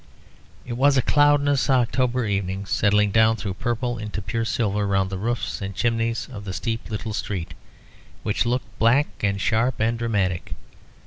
It was a cloudless October evening settling down through purple into pure silver around the roofs and chimneys of the steep little street, which looked black and sharp and dramatic.